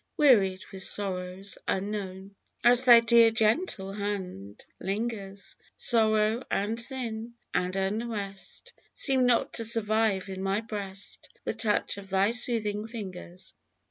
Wearied with sorrows unknown, A Dream. 27 As thy dear gentle hand Hngers, Sorrow, and Sin, and unrest Seem not to survive in my breast The touch of thy soothing fingers